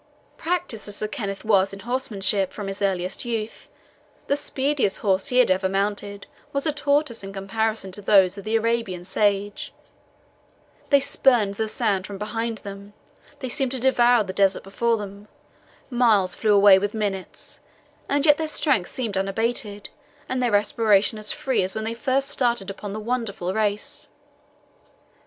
Practised as Sir Kenneth was in horsemanship from his earliest youth, the speediest horse he had ever mounted was a tortoise in comparison to those of the Arabian sage. They spurned the sand from behind them; they seemed to devour the desert before them; miles flew away with minutes and yet their strength seemed unabated, and their respiration as free as when they first started upon the wonderful race.